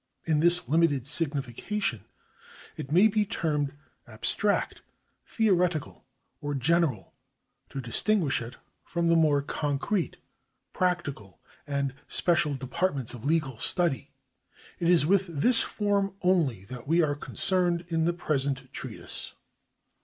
In this limited signification it may be termed abstract, theoretical, or general, to distinguish it from the more concrete, practical, and special departments of legal study. It is with this form only that we are concerned in the present treatise.